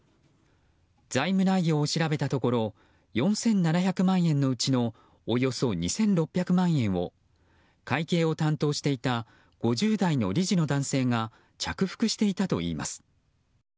財務内容を調べたところ４７００万円のうちのおよそ２６００万円を会計を担当していた５０代の理事の男性が着服していたといいます。